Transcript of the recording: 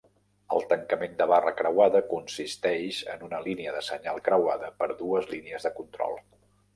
El tancament de barra creuada consisteix en una línia de senyal creuada per dues línies de control.